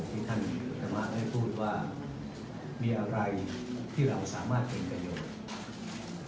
ที่ท่านอุตมะได้พูดว่ามีอะไรที่เราสามารถเป็นประโยชน์